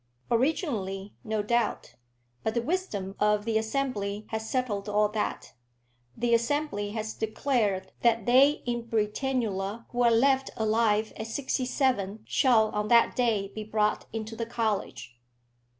"Originally, no doubt. But the wisdom of the Assembly has settled all that. The Assembly has declared that they in Britannula who are left alive at sixty seven shall on that day be brought into the college.